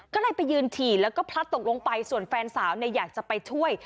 ก็เลยไปยืนฉี่แล้วก็พลัดตกลงไปส่วนแฟนสาวอยากจะไปช่วย